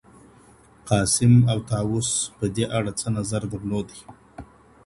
قاسم او طاووس په دې اړه څه نظر درلود؟